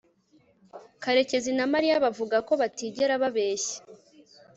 karekezi na mariya bavuga ko batigera babeshya